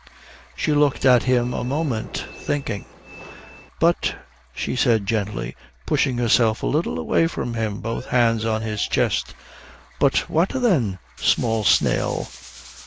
She looked at him a moment thinking. "But " she said, gently pushing herself a little way from him, both hands on his chest. "But what then, small snail?"